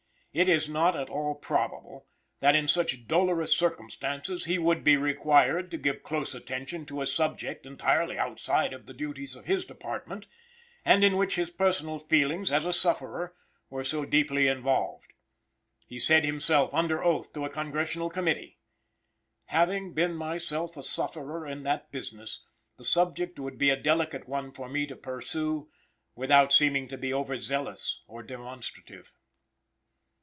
It is not at all probable that, in such dolorous circumstances, he would be required to give close attention to a subject entirely outside of the duties of his department, and in which his personal feelings as a sufferer were so deeply involved. He said himself under oath to a Congressional Committee: "Having been myself a sufferer in that business, the subject would be a delicate one for me to pursue without seeming to be over zealous or demonstrative."